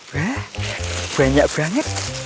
wah banyak banget